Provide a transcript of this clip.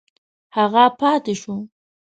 هغه پاته شو.